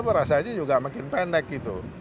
berasa aja juga makin pendek gitu